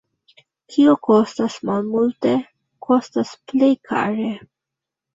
Kio kostas malmulte, kostas plej kare.